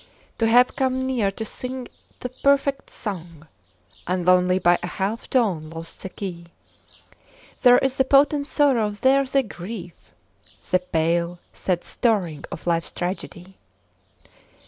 To have come near to sing the perfect song And only by a half tone lost the key, There is the potent sorrow, there the grief, The pale, sad staring of life's tragedy.